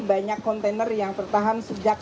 banyak kontainer yang tertahan sejak